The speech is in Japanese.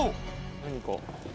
何か。